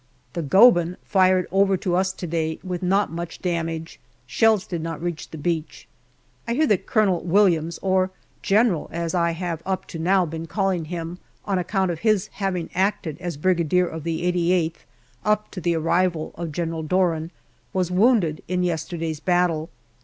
The Goeben fired over to us to day with not much damage ; shells did not reach the beach. I hear that Colonel Williams, or General, as I have up to now been calling him on account of his having acted as Brigadier of the 88th, up to the arrival of General Doran, was wounded in yesterday's battle.